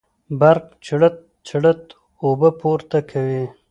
برق چړت چړت اوبه پورته کوي.